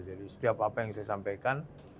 jadi setiap apa yang saya sampaikan